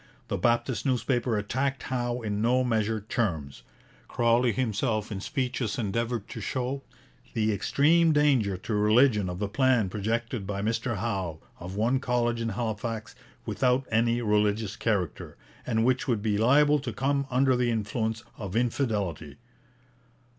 The Baptist newspaper attacked Howe in no measured terms. Crawley himself in public speeches endeavoured to show 'the extreme danger to religion of the plan projected by Mr Howe of one college in Halifax without any religious character, and which would be liable to come under the influence of infidelity.'